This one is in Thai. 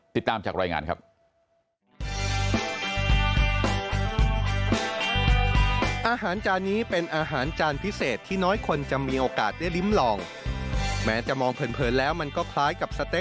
ติดตามจากรายงานครับ